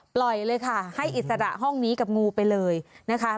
เลยค่ะให้อิสระห้องนี้กับงูไปเลยนะคะ